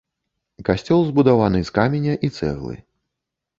Касцёл збудаваны з каменя і цэглы.